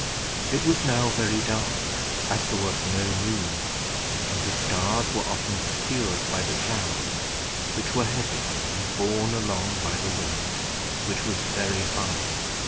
It was now very dark, as there was no moon, and the stars were often obscured by the clouds, which were heavy and borne along by the wind, which was very high.